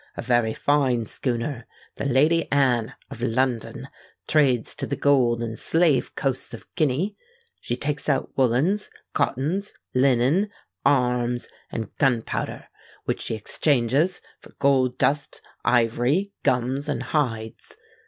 A very fine schooner, the Lady Anne of London, trades to the Gold and Slave Coasts of Guinea. She takes out woollens, cottons, linen, arms, and gunpowder, which she exchanges for gold dust, ivory, gums, and hides.